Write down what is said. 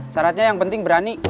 sarannya yang penting berani